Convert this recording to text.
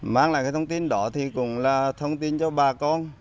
mang lại cái thông tin đó thì cũng là thông tin cho bà con